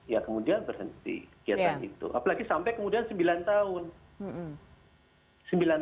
ya kemudian berhenti kegiatan itu apalagi sampai kemudian sembilan tahun